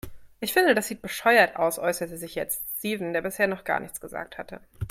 Ich finde, das sieht bescheuert aus, äußerte sich jetzt Steven, der bisher noch gar nichts gesagt hatte.